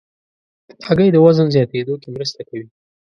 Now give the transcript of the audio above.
هګۍ د وزن زیاتېدو کې مرسته کوي.